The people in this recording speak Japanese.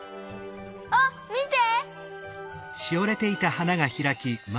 あっみて！